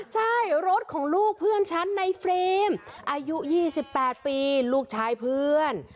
ใช่รถของลูกเพื่อนฉันในเฟรมอายุ๒๘ปีลูกชายเพื่อน